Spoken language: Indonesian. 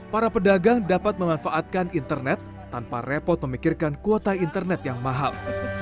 para pedagang dapat memanfaatkan internet tanpa repot memikirkan kuota internet yang mahal